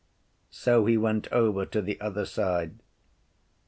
So he went over to the other side.